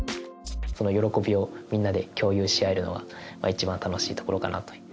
喜びをみんなで共有しあえるのはいちばん楽しいところかなと。